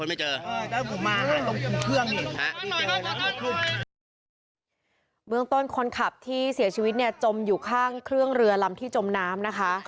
เมืองต้นคนขับที่เสียชีวิตเนี่ยจมอยู่ข้างเครื่องเรือลำที่จมน้ำนะคะ